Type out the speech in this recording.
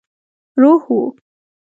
روح وو.